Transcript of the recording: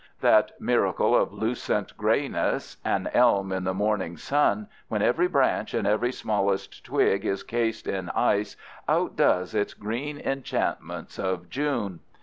That miracle of lucent grayness, an elm in the morning sun, when every branch and every smallest twig is cased in ice outdoes its green enchantments of June.